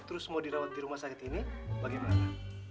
terus mau dirawat di rumah sakit ini bagaimana